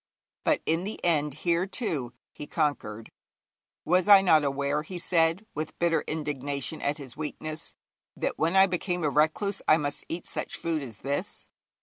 But in the end here, too, he conquered. 'Was I not aware,' he said, with bitter indignation at his weakness, 'that when I became a recluse I must eat such food as this?